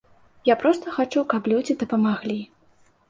Я проста хачу, каб людзі дапамаглі.